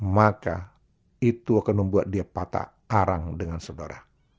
maka itu akan membuat dia patah arang dengan saudara